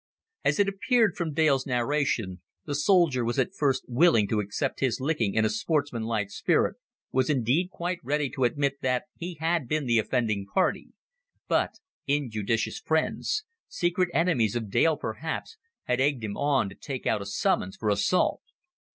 As it appeared from Dale's narration, the soldier was at first willing to accept his licking in a sportsmanlike spirit, was indeed quite ready to admit that he had been the offending party; but injudicious friends secret enemies of Dale perhaps had egged him on to take out a summons for assault.